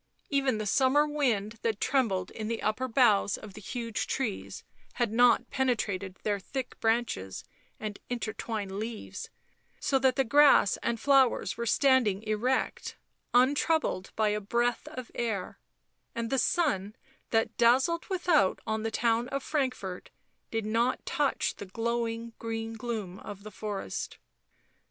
Even the summer wind that trembled in the upper boughs of the huge trees had not pene trated their thick branches and intertwined leaves, so that the grass and flowers were standing erect, untroubled by a breath of air, and the sun, that dazzled without on the town of Frankfort did not touch the glowing green gloom of the forest.